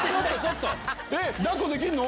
抱っこできんの？